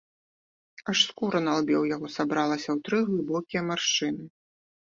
Аж скура на лбе ў яго сабралася ў тры глыбокія маршчыны.